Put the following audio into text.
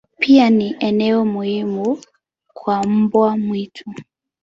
Pia ni eneo muhimu kwa mbwa mwitu.